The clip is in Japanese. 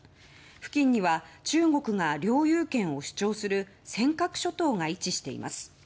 付近には中国が領有権を主張する尖閣諸島が位置しています。